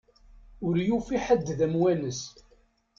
Ur yufi ḥedd d amwanes.